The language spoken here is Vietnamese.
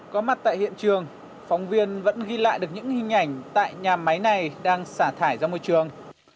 có mặt tại hiện trường phóng viên vẫn ghi lại được những hình ảnh tại nhà máy này đang xả thải ra môi trường